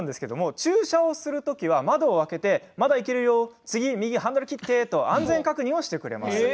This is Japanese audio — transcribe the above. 駐車をするときは窓を開けてまだいけるよ、次右にハンドル切って、と安全確認をしてくれます。